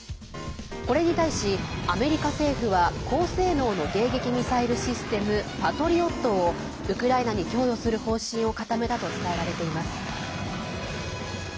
これに対し、アメリカ政府は高性能の迎撃ミサイルシステム「パトリオット」をウクライナに供与する方針を固めたと伝えられています。